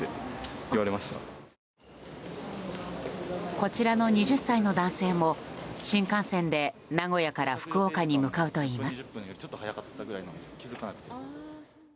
こちらの２０歳の男性も新幹線で名古屋から福岡に向かうといいます。